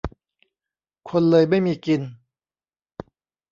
คนเลยไม่มีกิน